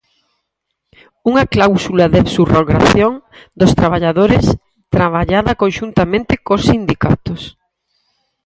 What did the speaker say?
Unha cláusula de subrogación dos traballadores, traballada conxuntamente cos sindicatos.